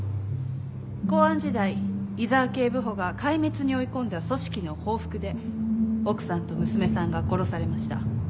公安時代井沢警部補が壊滅に追い込んだ組織の報復で奥さんと娘さんが殺されました。